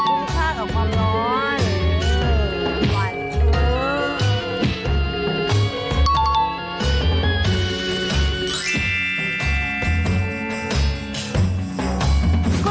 คุ้มค่ากับความร้อน